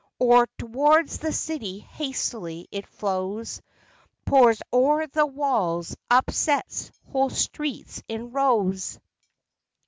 Or tow'rds the city hastily it flows, Pours o'er the walls, upsets whole streets in rows.